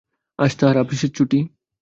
আজ তাঁহার আপিসের ছুটি।